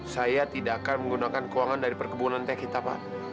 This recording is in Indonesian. saya tidak akan menggunakan keuangan dari perkebunan teh kita pak